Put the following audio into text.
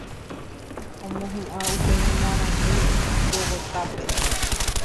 Omohuʼã upe ñemoarandu Bogotápe.